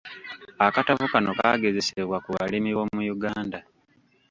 Akatabo kano kaagezesebwa ku balimi b’omu Uganda.